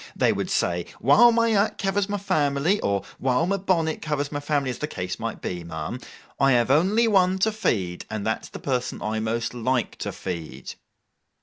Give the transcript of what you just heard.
They would say, "While my hat covers my family," or "while my bonnet covers my family,"—as the case might be, ma'am—"I have only one to feed, and that's the person I most like to feed."